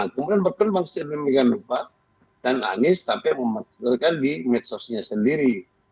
kemudian berkembang si indomie ganupa dan anies sampai memaksa di medsosnya sendiri